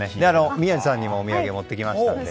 宮司さんにもお土産を持ってきました。